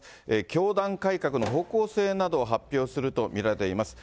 教団改革の方向性などを発表すると見られています。